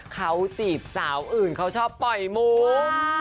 เขาจีบสาวอื่นเขาชอบปล่อยมุก